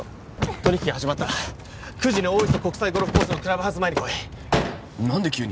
取引が始まった９時に大磯国際ゴルフコースのクラブハウス前に来い何で急に？